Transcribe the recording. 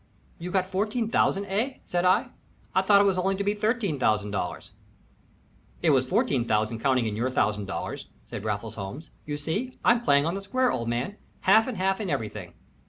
"You got fourteen thousand, eh?" said I. "I thought it was only to be $13,000." "It was fourteen thousand counting in your $1000," said Raffles Holmes. "You see, I'm playing on the square, old man. Half and half in everything."